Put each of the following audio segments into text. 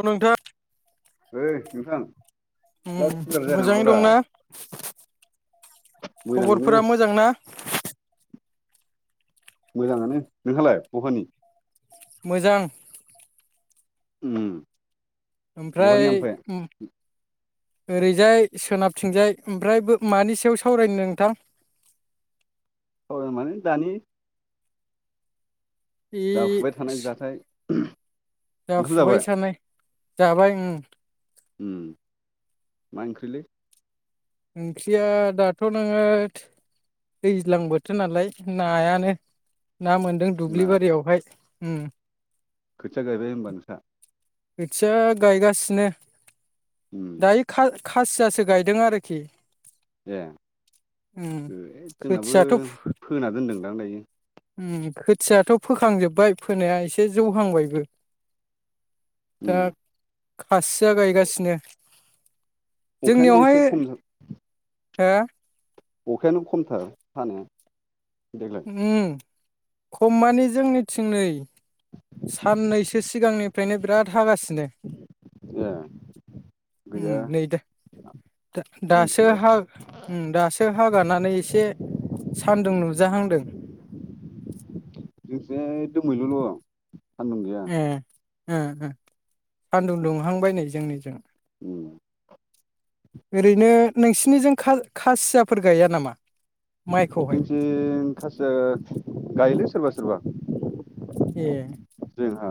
औ नोंथां ओइ नोंथां लाउड स्पिकार उम जाया मोजाङै नामाब्रा दंना मोजाङैनो खबरफोरा मोजां ना मोजाङानो नोंहालाय बहानि मोजां उम ओमफ्राय उम ओरैजाय सोनाबथिंजाय ओमफ्राय बो मानि सायाव सावरायनो नोंथां औ माने दानि जाफुबाय थानाय जाथाय [unintelligible] ओंखाम जाफुबाय जाबाय थानाय जाबाय उम मा ओंख्रिलै ओंख्रिया दाथ' नोङो थो दैज्लां बोथोर नालाय नायानो ना मोन्दों जोंना दुब्लि बारियावहाय उम खोथिया गायबाय होनबा नोंथां? खोथिया गायगासिनो। उम दायो खासियासो गायदों आरोखि। ए उम जोंनाबो खोथियाथ' फोना दोनदों दां दायो। उम खोथियाथ' फोखांजोबबाय फोनाया एसे जौहांबायबो। दा उम। खासिया गायगासिनो। अखायानो जोंनियावहाय एसे खम हो। अखायानो खमथार हानाया। देग्लाय उम खम मानि जोंनिथिं नै। साननैसो सिगांनिफ्रायनो बिराद हागासि ए। उम गैया नै दा। दासो जोंथिंजाय दासो हागानानै एसे। सान्दुं नुजाहांदों। [inaudible] सान्दुं गैया। हो हो सानदुं दुंहांबाय नै जोंनिजों। उम। ओरैनो नोंसिनिजों खा खासियाफोर गाया नामा? माइखौहाय जोंथिं खासिया गायोलै सोरबा सोरबा। ए जोंहा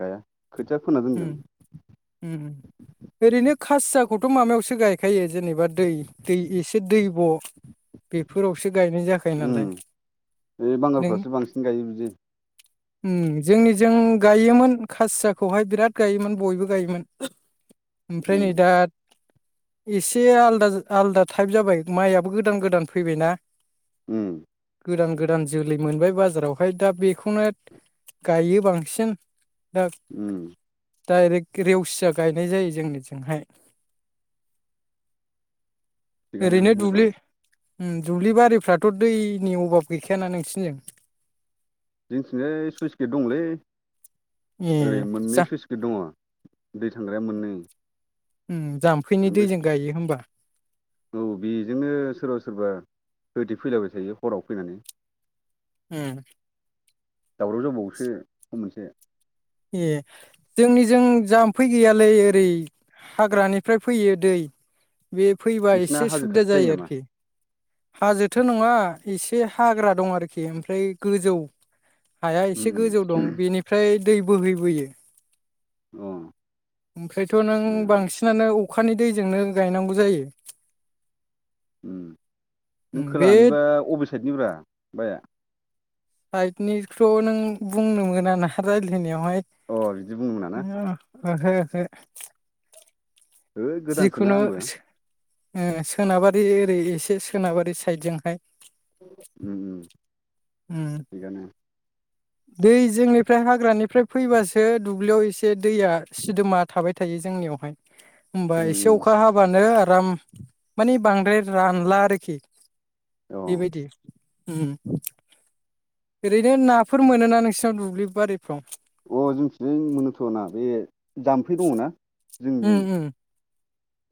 गाया। खोथिया फोना उम दोनदों उम ओरैनो खासियाखौथ' माबायावसो गायखायो जेनेबा दै दै एसे दैब'। बेफोरावसो गायनाय जाखायो उम नालाय। बे बांगालफ्रासो बांसिन गायो बिदि। जोंनि जों गायोमोन खासियाखौहाय बिराद गायोमोन बयबो गायोमोन। ओमफ्राय उम नै दा। एसे आलदा आलदा टाइप जाबाय माइआबो गोदान गोदान फैबायना। उम। गोदान गोदान जोलै मोनबाय बाजारावहाय दा बेखौनो गायो बांसिन। उम। डायरेक्ट रेवसिया गायनाय जायो जोंनिथिंहाय। थिगानो ओरैनो मोजां दुब्लि उम दुब्लिबारिफ्राथ' दैनि अभाब गैखायाना नोंसिनिजों? जोंथिंजाय सुइस गेट दंलै ए ओरै मोननै जा सुइस गेट दङ' दै थांग्राया मोननै। जाम्फैनि ओमफ्राय दैजों गायो होमबा। औ बेजोंनो सोरबा सोरबा होथे फैलाबाय थायो हराव फैनानै। उम। दावराव जाबावोसो सम मोनसे। ए जोंनिजों जाम्फै गैयालै ओरै। हाग्रानिफ्राय फैयो दै बे फैबा नोंसिना एसे हाजो सुबिदा खाथि जायो नामा आरोखि। हाजोथ' नङा एसे हाग्रा दं आरोखि ओमफ्राय गोजौ हाया उम एसे गोजौ दं उम बेनिफ्राय दै बोहैबोयो। अ ओमफ्रायथ' नों मोजाङानो बांसिनानो अखानि दैजोंनो गायनांगौ जायो। उम नों उम बे खोलाहानिबा अबे साइडनिब्रा बाया साइडनिथ' नों बुंनो मोना ना रायज्लायनायाव अ बिदि बुंनो मोना ना? ओहो ओहो है गोदानसोना जिखुनु आंबो ओ सोनाबारि ओरै एसे सोनाबारि साइदजोंहाय उम उम उम थिगानो दै जोंनिफ्राय हाग्रानिफ्राय फैबासो दुब्लियाव एसे दैया सिदोमा थाबाय थायो जोंनियावहाय होमबा उम एसे उम अखा हाबानो आरो आराम माने बांद्राय रानला आरोखि अ बेबायदि उम ओरैनो नाफोर मोनोना नोंसिनाव दुब्लि बारिफ्राव अ जोंथिजों मोनोथ'ना बे जाम्फै दङ ना उम उम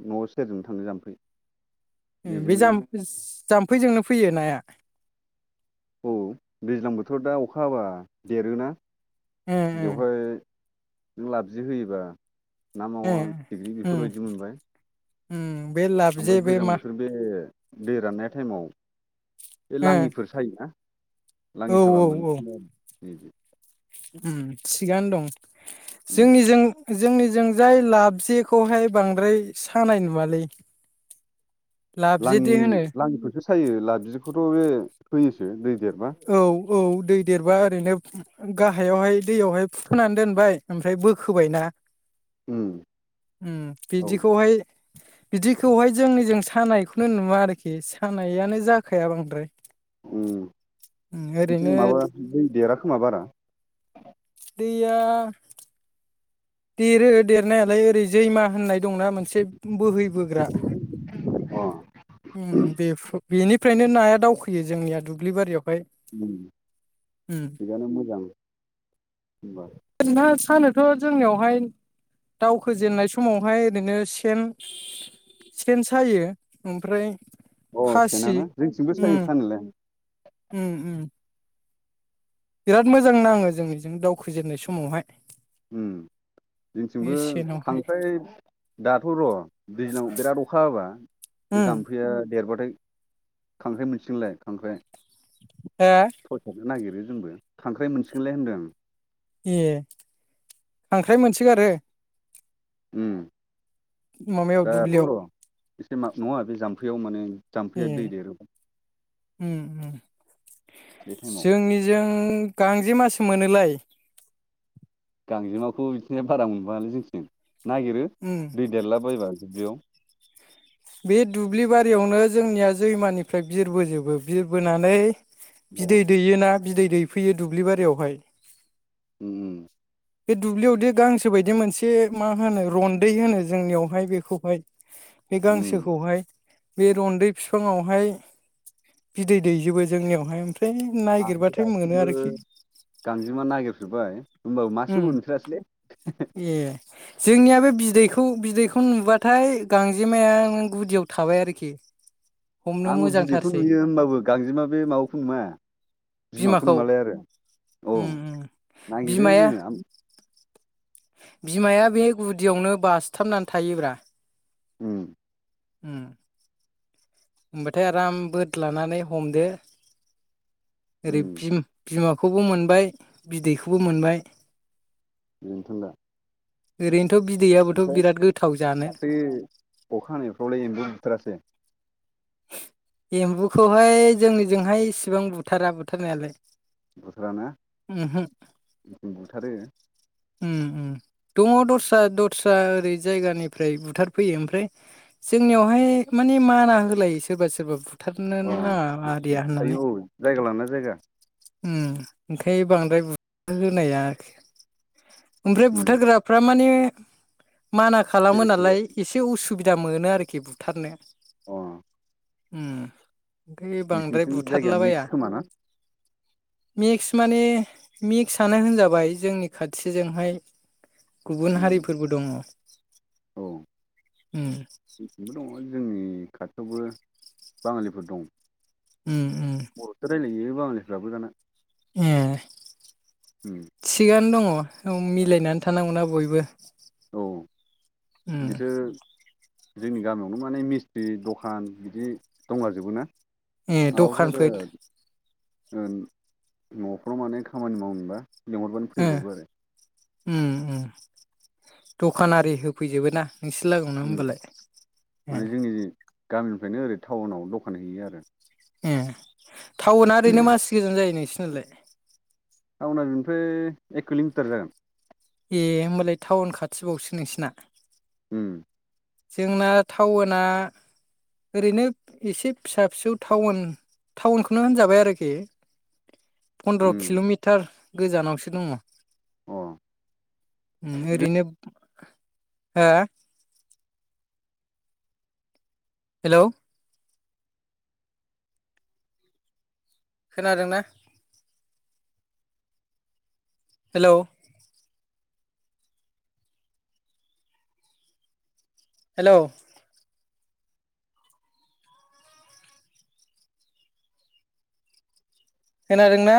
न'आव सेरजों थांनो जामफै बे जाय जाम्फैजोंनो फैयो नाया? औ दैज्लां बोथोराव दा अखा हाबा देरोना ओ ओ ओ बेवहाय नों लाब जे होयोबा ना मावा फिथिग्रि उम बेफोरबायदि मोनबाय उम बे लाबजे ओमफ्राय बे गोजां मा बोथोर बे दै राननाय टाइमाव बे लाङिफोर साया ओ औ लाङि औ साबा औ मोनो [unintelligible] उम थिगानो दं उम जोंनिजों जोंनिजों जाय लाब जेखौहाय बांद्राय सानाय नुवालै लाङि लाबजेदि होनो लाङिखौसो सायो लाब जेखौथ' बे होयोसो दै देरबा औ औ दै देरबा ओरैनो गाहायावहाय दैयावहाय फुथुनानै दोनबाय ओमफ्राय बोखोबायना उम उम औ बिदिखौहाय बिदिखौहाय जोंनि जों सानायखौनो नुवा आरोखि सानायानो जाखाया बांद्राय उम थि माबा जों देराखोमा बारा दैया देरो देरनायालाय ओरै जैमा होननाय दंना मोनसे बोहैबोग्रा अ उम बे बेनिफ्रायनो नाया दावखोयो जोंनिया दुब्लिबारियाव उम थिगानो मोजां होनबा ना सानोथ' जोंनियावहाय दावखोजेननाय समावहाय ओरैनो सेन सेन सायो ओमफ्राय अ फासि सेेनाना जोंथिंबो उम सायो सानोलाय उम उम बिराद मोजां नाङो जों बेजोंनो दावखोजेननाय समावहाय उम बे जोंथिंबो सेनावहाय खांख्राय दाथ' र' दैज्लाव बिराद अखा हाबा बे उम जाम्फैया देरबाथाय खांख्राइ मोनसिगोनलाय खांख्राइ ए थसाबनो नागिरो जोंबो खांख्राइ मोनसिगोनलाय होन्दों ए खांख्राइ मोनसोगारो उम माबायाव दाथ' दुब्लियाव र' एसे मा नंङा बे जाम्फैयाव माने ए जाम्फैया दै देरोब्ला उम उम बे टाइमाव जोंनिजों गांजेमासो मोनोलाय गांजेमाखौ बिथिंजाय बारा मोनबांङालै जोंनिथिं नागिरो उम दै देरला बायबा दुब्लियाव बे दुब्लि बारियावनो जोंनिया जैमानिफ्राय बिरबोजोबो बिरबोनानै अ बिदै दैयोना बिदै दैफैयो दुब्लि बारियावहाय उम उम बे दुब्लियावदि गांसो बायदि मोनसे मा होनो रन्दै होनो जोंनियावहाय बेखौहाय बे उम गांसोखौहाय बे रन्दै बिफायावहाय बिदै दैजोबो जोंनियावहाय ओमफ्राय आंथ नागिरबाथाय मोनो दासिमबो आरोखि गांजेमा नागिरफेरबाय होमबाबो मासो उम मोनफेरासैलै ए जोंनिया बे बिदै खौ बिदैखौ नुबाथाय गांजेमाया नों गुदियाव थाबाय आरोखि हमनो आंबो बिदैखौ मोजांथारसै नुयो होनबाबो गांजेमा बे माबाखौ नुवा बिमाखौ नुवालाय आरो औ उम उम नागिरो बिमाया जोङो बिमाया बे गुदियावनो बासथाबनानै थायोब्रा उम ओम होमबाथाय आराम बोदलानानै हमदो ओरै उम बिम बिमा खौबो मोनबाय बिदैखौबो मोनबाय बेनोथन दा ओरैन थ बिदैआबोथ ओमफ्राय बिराद गोथाव जानो दाख्लै अखा हानायफ्रावलाय एम्बु बुथारासै एम्बुखौहाय जोंनिजोंहाय इसेबां बुथारा बुथारनायालाय बुथारा ना उमहो बुथारो उम उम दङ दस्रा दस्रा ओरै जायगानिफ्राय बुथारफैयो ओमफ्राय जोंनियावहाय माने माना होलायो सोरबा सोरबा थारनो अ नाङा आरिया होननानै थायो औ जायगा लाना जायगा ओं ओंखाय बांद्राय बु थारहोनाया ओमफ्राय उम बुथारग्राफ्रा माने माना खालामो सिरि सिरि नालाय एसे उसुबि दा मोनो आरोखि बुथारनो अ ओम ओमफाय बांद्राय नोंसिनिथिं जायगाया मिक्स बुथारलाबाया खोमा ना मिक्स माने मिक्सानो होनजाबाय जोंनि खाथिजोंहाय गुबुन उम हारिफोरबो दङ औ उम जोंनिथिंबो दङ जोंनि खाथियावबो बाङालिफोर दं उम उम बरसो रायलायो बाङालिफ्राबो दाना ए उम थिगानो दङ मिलायनानै थानांगौ ना बयबो औ उम बिसोर जोंनि गामियावनो माने मिस्ट्रि दखान बिदि दंलाजोबो ना ए दखानफोर ओन नफ्राव माने खामानि मावनोबा लिंहरबानो ओ फैब्रबबो आरो उम ओम दखानारि होफैजोबो ना नोंसोर लागोयावनो उम होमबालाय माने ए जोंनि गामिनिफ्रायनो ओरै टाउनाव दखान हैयो आरो ए टाउनाआ ओरैनो मासि गोजान जायो नोंसिनालाय टाउना बिनिफ्राय एक किल मिटार जागोन ए होमबालाय टाउन खाथिबावसो नोंसिना उम जोंना टाउना ओरैनो एसे फिसा फिसौ टाउन टाउनखौनो होनजाबाय आरोखि पन्द्र' उम किल'मिटार गोजानावसो दङ अ उम ओरैनो हो? हेल'। खोनादोंना? हेल'। हेल'। खोनादोंना?